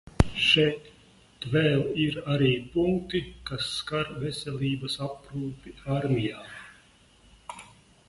Šeit vēl ir arī punkti, kas skar veselības aprūpi armijā.